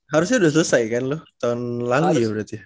harusnya udah selesai kan lu tahun lalu ya berarti